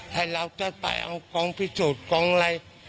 ให้เราจะไปเอากองพิสูจน์กองอะไร